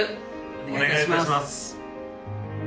お願いいたします。